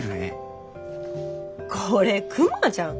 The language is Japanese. これクマじゃん。